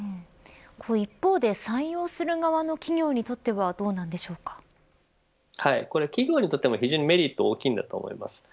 一方で採用する側の企業にとっては企業にとっても非常にメリットが大きいと思います。